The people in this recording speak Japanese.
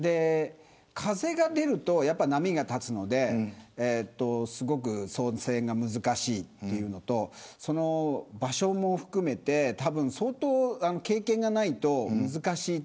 風が出ると波が立つのですごく操船が難しいというのと場所も含めて相当経験がないと難しい所だと思います。